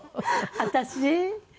私？